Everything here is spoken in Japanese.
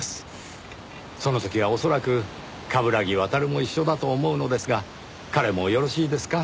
その時は恐らく冠城亘も一緒だと思うのですが彼もよろしいですか？